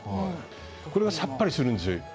これがさっぱりするんですよ。